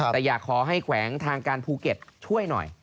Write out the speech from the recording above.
แต่อยากขอให้แขวงทางการภูเก็ตช่วยหน่อย